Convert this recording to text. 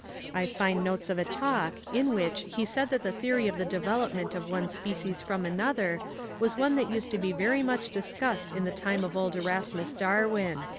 I find notes of a talk in which he said that the theory of the development of one species from another was one that used to be very much discussed in the time of old Erasmus Darwin.